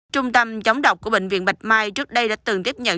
trung tâm chống độc của bệnh viện bạch mai trước đây đã từng tiếp nhận